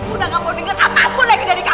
aku udah gak mau dengar apapun lagi dari kamu